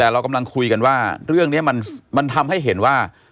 แต่เรากำลังคุยกันว่าเรื่องนี้มันทำให้เห็นว่า